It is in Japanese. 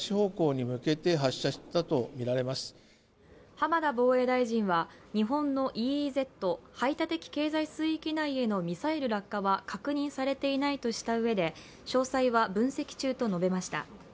浜田防衛大臣は日本のＥＥＺ＝排他的経済水域内へのミサイル落下は確認されていないとしたうえで詳細は分析中と述べました。